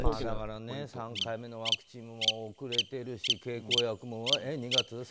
だから３回目のワクチンも遅れてるし、経口薬も２月？